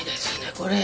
これ。